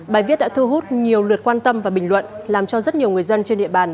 bài viết đã thu hút nhiều lượt quan tâm và bình luận làm cho rất nhiều người dân trên địa bàn